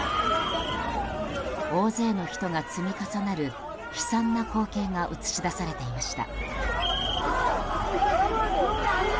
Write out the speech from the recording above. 大勢の人が積み重なる悲惨な光景が映し出されていました。